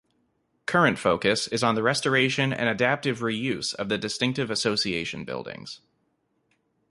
Current focus is on the restoration and adaptive reuse of the distinctive Association buildings.